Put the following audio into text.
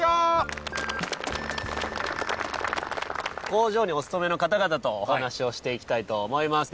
工場にお勤めの方々とお話をしていきたいと思います。